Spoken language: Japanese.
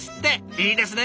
いいですね。